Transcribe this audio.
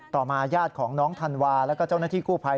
ต่อมาญาติของน้องธันวาว์และเจ้าหน้าที่กู้ภัย